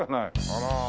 あら。